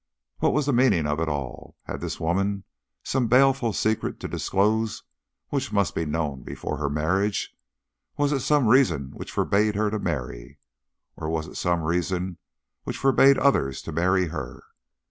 What was the meaning of it all? Had this woman some baleful secret to disclose which must be known before her marriage? Was it some reason which forbade her to marry? Or was it some reason which forbade others to marry her?